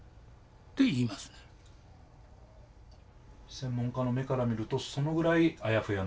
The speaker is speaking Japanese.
専門家の目から見るとそのぐらいあやふやな？